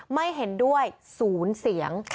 ไม่เห็นด้วย๐เสียง